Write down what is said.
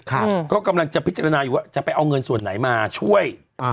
ครับก็กำลังจะพิจารณาอยู่ว่าจะไปเอาเงินส่วนไหนมาช่วยอ่า